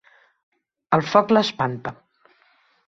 El foc l'espanta.